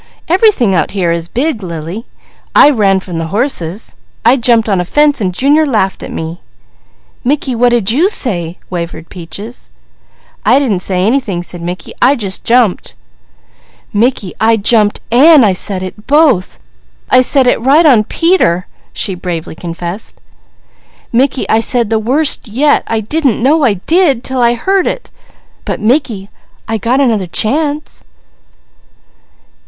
Everything out here is big, Lily. I ran from the horses. I jumped on a fence, and Junior laughed at me." "Mickey, what did you say?" wavered Peaches. "I didn't say anything," said Mickey. "I just jumped." "Mickey, I jumped, an' I said it, both. I said it right on Peter," she bravely confessed. "Mickey, I said the worst yet! I didn't know I did, 'til I heard it! But Mickey, I got another chance!"